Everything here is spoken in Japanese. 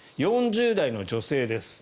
４０代の女性です。